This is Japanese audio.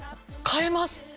変えます。